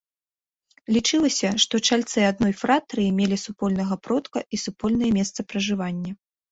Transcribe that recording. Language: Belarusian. Лічылася, што чальцы адной фратрыі мелі супольнага продка і супольнае месца пражывання.